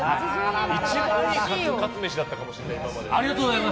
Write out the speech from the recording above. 一番いいカツカツ飯だったかもしれない、今までで。